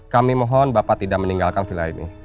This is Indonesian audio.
kami mohon bapak tidak meninggalkan villa ini